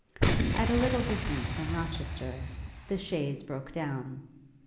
At a little distance from Rochester, the chaise broke down.